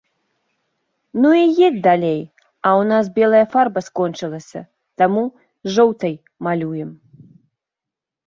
Ну і едзь далей, а ў нас белая фарба скончылася, таму жоўтай малюем.